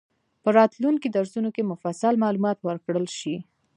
په راتلونکي درسونو کې مفصل معلومات ورکړل شي.